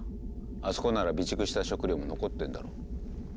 あそこなら備蓄した食料も残ってんだろ。